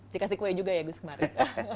dikasih kue juga ya gus kemarin